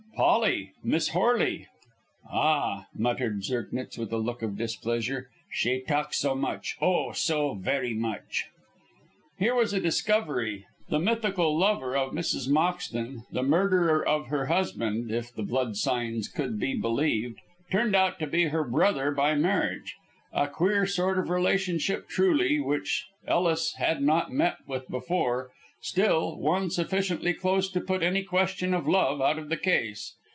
"Polly Miss Horley." "Ah," muttered Zirknitz, with a look of displeasure, "she talks so much, oh, so very much." Here was a discovery. The mythical lover of Mrs. Moxton, the murderer of her husband, if the blood signs could be believed, turned out to be her brother by marriage. A queer sort of relationship truly, which Ellis had not met with before, still, one sufficiently close to put any question of love out of the case.